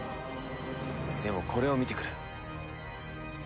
でもこれを見てくれ。